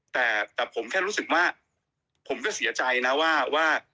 แต่ผมแค่รู้สึกว่าผมก็เสียใจนะว่า